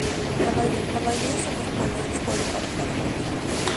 La mayoría se muestra con un color distinto para cada poliedro.